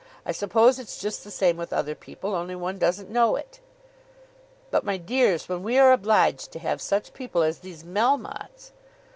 I suppose it's just the same with other people, only one doesn't know it." "But, my dears when we are obliged to have such people as these Melmottes!"